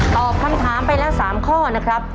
ตอบคำถามไปแล้ว๓ข้อนะครับ